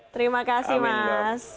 terima kasih mas